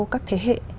các thế hệ